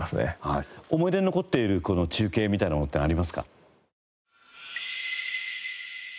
思い出に残っている中継みたいなものってありますか？